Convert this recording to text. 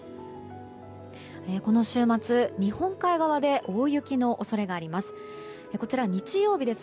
この週末、日本海側で大雪の恐れがあります。